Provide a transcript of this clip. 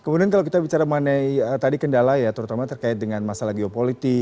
kemudian kalau kita bicara mengenai tadi kendala ya terutama terkait dengan masalah geopolitik